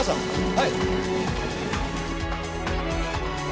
はい！